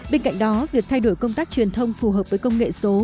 bên cạnh đó việc thay đổi công tác truyền thông phù hợp với công nghệ số